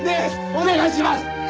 お願いします！